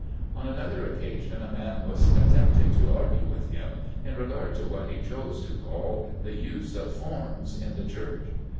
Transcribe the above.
On another occasion a man was attempting to argue with him in regard to what he chose to call "the use of forms" in the Church.